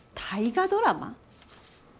大河ドラマ？